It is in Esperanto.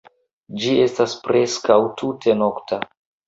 Ĝi estas preskaŭ tute nokta.